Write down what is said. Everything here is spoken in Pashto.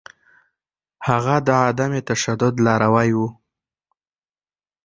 هغه د عدم تشدد لاروی و.